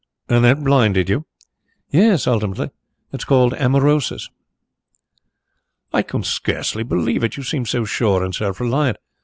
"And that blinded you?" "Yes, ultimately. It's called amaurosis." "I can scarcely believe it. You seem so sure and self reliant.